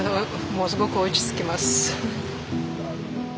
もうすごく落ち着きます。